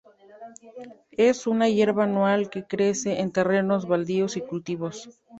Es una hierba anual que crece en terrenos baldíos y cultivos.